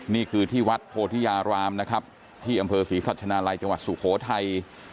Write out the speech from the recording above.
นี่คือที่วัดโพธิยารามนะครับที่อำเภอศรีสัชนาลัยจังหวัดสุโขทัย